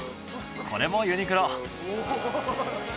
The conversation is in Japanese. これもユニクロ。